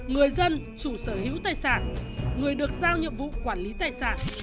người dân chủ sở hữu tài sản người được giao nhiệm vụ quản lý tài sản